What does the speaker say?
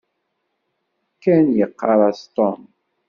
Ken yeɣɣar-as Tom.